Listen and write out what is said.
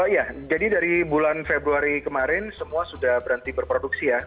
ya jadi dari bulan februari kemarin semua sudah berhenti berproduksi ya